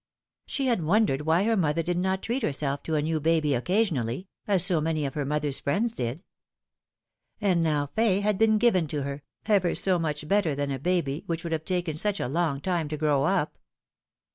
She had wondered why her mother did not treat herself to a new baby occasionally, as so many of her mother's friends did. And now Fay had been given to her, ever so much better than a baby, which would have taken such a long time to grow up.